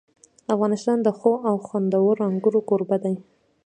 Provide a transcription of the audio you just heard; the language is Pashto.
افغانستان د ښو او خوندورو انګورو کوربه دی.